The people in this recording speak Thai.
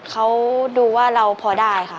เขาดูว่าเราพอได้ค่ะ